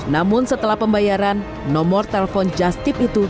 namun setelah pembayaran nomor telepon just tip itu